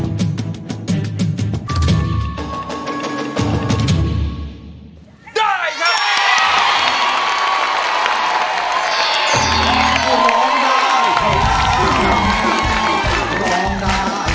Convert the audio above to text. รับแล้วค่ะ